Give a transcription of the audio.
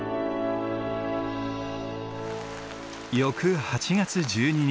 翌８月１２日。